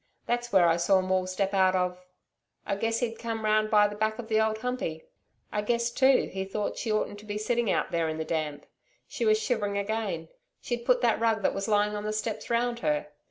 That's where I saw Maule step out of I guessed he'd come round by the back of the Old Humpey. I guessed too, he thought she oughtn't to be sitting out there in the damp She was shivering again she'd put a rug that was lying on the steps round her.